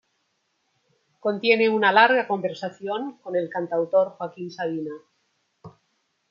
Contiene una larga conversación con el cantautor Joaquín Sabina.